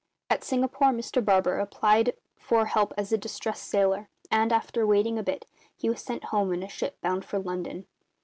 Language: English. At Singapore Mr Barber applied for help as a distressed sailor, and, after waiting a bit, he was sent home in a ship bound for London.